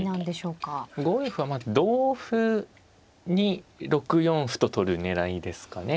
５四歩は同歩に６四歩と取る狙いですかね。